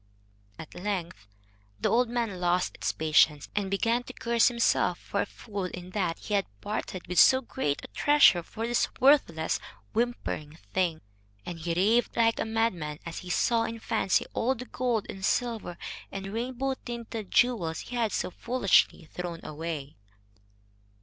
At length the old man lost patience, and began to curse himself for a fool in that he had parted with so great a treasure for this worthless, whimpering thing. And he raved like a madman as he saw in fancy all the gold and silver and rainbow tinted jewels he had so foolishly thrown away.